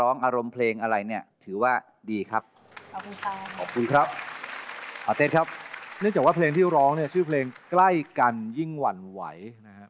เนื่องจากว่าเพลงที่ร้องชื่อเพลงใกล้กันยิ่งหวั่นไหว